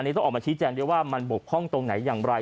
อันนี้ต้องออกมาชี้แจว่ามันบกพร่องตรงไหนอย่างไร